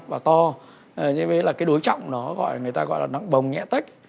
và to cho nên là cái đối trọng đó người ta gọi là nặng bồng nhẹ tách